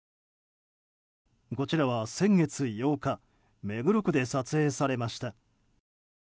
こちらは先月８日目黒区で撮影されました。